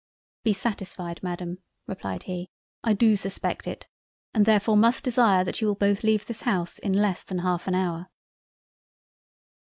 "Be satisfied Madam (replied he) I do suspect it, and therefore must desire that you will both leave this House in less than half an hour."